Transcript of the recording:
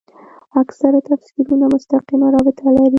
اکثره تفسیرونه مستقیمه رابطه لري.